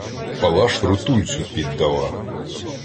Палаш рутульцю піддала.